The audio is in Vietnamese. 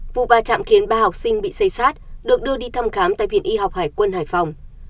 vụ va chạm khiến ba học sinh bị xây sát được đưa đi thăm khám tại viện y học hải quân hải phòng